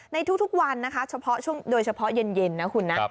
ในทุกวันนะคะโดยเฉพาะเย็นนะคุณนะ